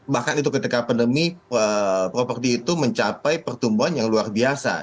bahkan itu ketika pandemi properti itu mencapai pertumbuhan yang luar biasa